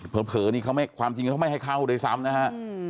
เผลอนี่ความจริงเขาไม่ให้เข้าเลยซ้ำนะฮะ